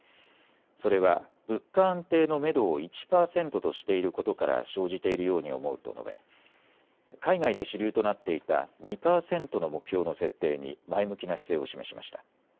それは物価安定のめどを１％としていることから生じているように思うと述べ海外で主流となっていた２％の目標の設定に前向きな姿勢を示しました。